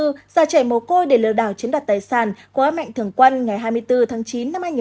giả trẻ mồ côi để lừa đảo chiến đoạt tài sản của án mạnh thường quân ngày hai mươi bốn tháng chín năm hai nghìn hai mươi hai